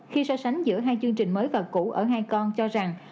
khi so sánh giữa hai chương trình mới và cũ ở hai con cho rằng